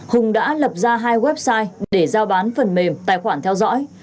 hùng đã lập ra hai website để giao bán phần mềm tài khoản theo dõi